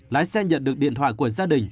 lái xe nhận được điện thoại của gia đình